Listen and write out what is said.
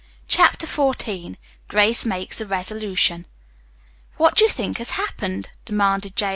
CHAPTER XIV GRACE MAKES A RESOLUTION "What do you think has happened?" demanded J.